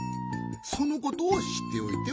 そのことをしっておいてほしい。